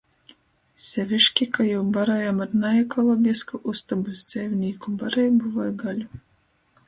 Seviški, ka jū barojam ar naekologisku ustobys dzeivinīku bareibu voi gaļu.